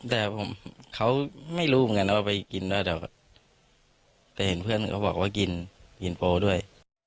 แต่เขาไม่รู้บังเอิญนานไปกินได้แต่เห็นเพื่อนเขาบอกกินโปรด้วย